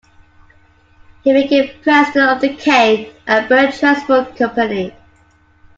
He became president of the Kaine and Bird transport company.